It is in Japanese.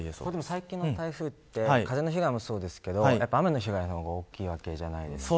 最近の台風は風の被害もそうですけど雨の被害も大きいわけじゃないですか。